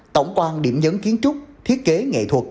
tổng quan điểm nhấn kiến trúc thiết kế nghệ thuật